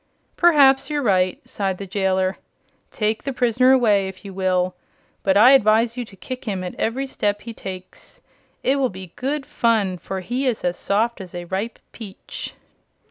"Perhaps you're right," sighed the jailer. "Take the prisoner away, if you will, but I advise you to kick him at every step he takes. It will be good fun, for he is as soft as a ripe peach."